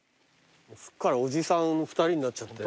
すっかりおじさん２人になっちゃって。